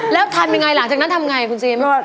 แล้วทำยังไงหลังจากนั้นทำไงคุณซีม